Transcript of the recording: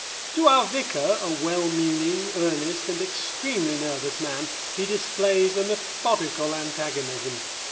To our vicar, a well meaning, earnest, and extremely nervous man, he displays a methodical antagonism.